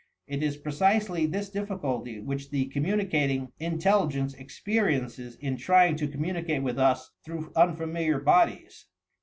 It is precisely this difficulty which the communicating in telligence experiences in trying to communicate with us through uufamiliar bodies.